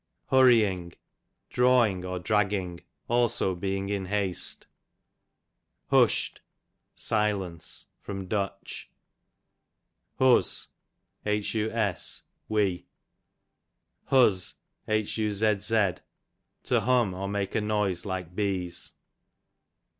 Hurrying, drawing or dragging; also being in haste. Husht, silence. Du. Hus, we. Huzz, to hum, or make a noise like bees.